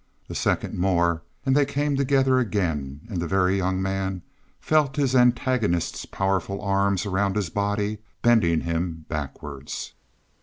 A second more and they came together again, and the Very Young Man felt his antagonist's powerful arms around his body, bending him backwards.